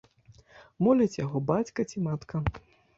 Моліць яго бацька ці матка.